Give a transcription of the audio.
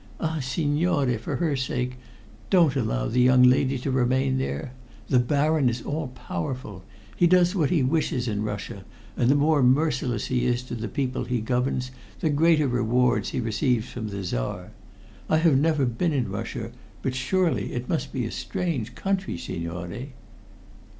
Ah, signore, for her sake, don't allow the young lady to remain there. The Baron is all powerful. He does what he wishes in Russia, and the more merciless he is to the people he governs, the greater rewards he receives from the Czar. I have never been in Russia, but surely it must be a strange country, signore!"